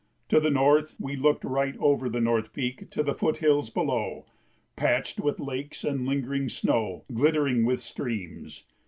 To the north we looked right over the North Peak to the foot hills below, patched with lakes and lingering snow, glittering with streams.